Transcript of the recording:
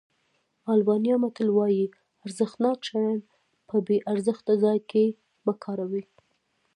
آلبانیا متل وایي ارزښتناک شیان په بې ارزښته ځای کې مه کاروئ.